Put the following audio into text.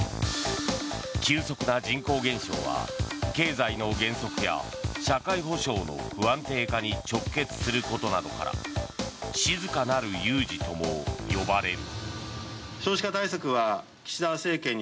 急速な人口減少は経済の減速や社会保障の不安定化に直結することなどから静かなる有事とも呼ばれる。